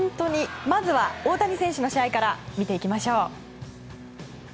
まずは大谷選手の試合から見ていきましょう。